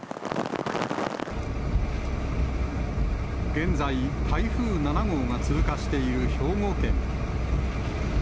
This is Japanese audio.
現在、台風７号が通過している兵庫県。